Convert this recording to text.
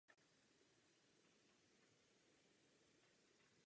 Po přerušení dráhy profesionálního sportovce začal pracovat ve školství.